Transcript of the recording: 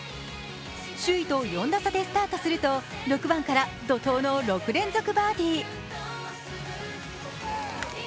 首位と４打差でスタートすると６番から怒とうの６連続バーディー。